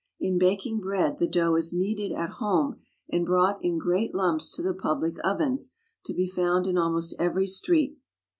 In baking bread the dough is kneaded at home and brought in great lumps to the public ovens to be found in almost every street.